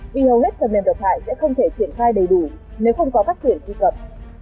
vì hầu hết phần mềm độc hại sẽ không thể triển khai đầy đủ nếu không có các quyền truy cập